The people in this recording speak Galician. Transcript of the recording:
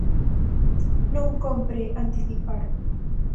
Non cómpre anticipar.